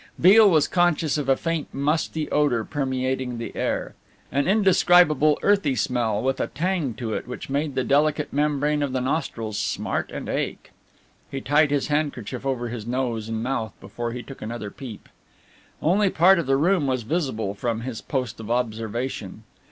Beale was conscious of a faint musty odour permeating the air, an indescribable earthy smell with a tang to it which made the delicate membrane of the nostrils smart and ache. He tied his handkerchief over his nose and mouth before he took another peep. Only part of the room was visible from his post of observation.